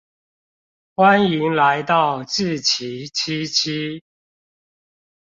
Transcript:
歡迎來到志祺七七